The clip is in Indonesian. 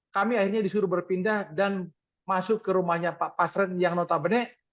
kami akhirnya disuruh berpindah dan masuk ke rumahnya pak pasren yang notabene